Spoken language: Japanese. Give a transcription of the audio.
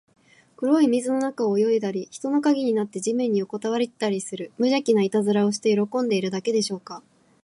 黒い水の中を泳いだり、人の影になって地面によこたわったりする、むじゃきないたずらをして喜んでいるだけでしょうか。